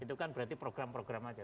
itu kan berarti program program aja